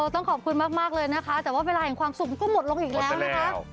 ต้องขอบคุณมากเลยนะคะแต่ว่าเวลาแห่งความสุขมันก็หมดลงอีกแล้วนะคะ